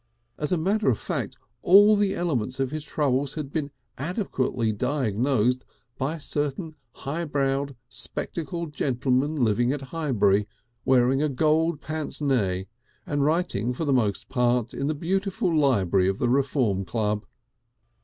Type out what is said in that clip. As a matter of fact all the elements of his troubles had been adequately diagnosed by a certain high browed, spectacled gentleman living at Highbury, wearing a gold pince nez, and writing for the most part in the beautiful library of the Reform Club.